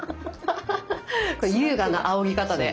優雅なあおぎ方で。